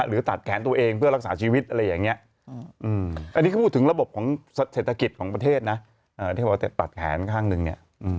หรือตัดแขนตัวเองเพื่อรักษาชีวิตอะไรอย่างนี้